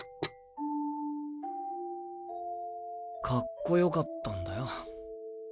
かっこよかったんだよ。